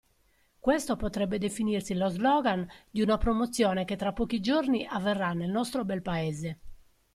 Questo potrebbe definirsi lo slogan di una promozione che tra pochi giorni avverrà nel nostro bel paese.